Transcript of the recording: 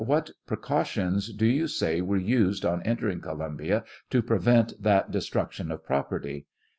What precautions do you say were used on enter ing Columbia to prevent that destruction of property